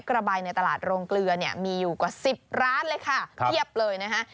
กระใบในตลาดโรงเกลือเนี่ยมีอยู่กว่า๑๐ร้านเลยค่ะเพียบเลยนะฮะ